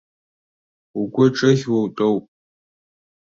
Угәы ҿыӷьуа утәоуп.